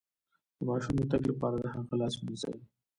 د ماشوم د تګ لپاره د هغه لاس ونیسئ